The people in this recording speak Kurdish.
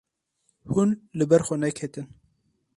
Hûn li ber xwe neketin.